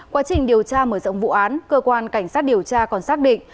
quá trình điều tra mở rộng vụ án cơ quan cảnh sát điều tra còn xác định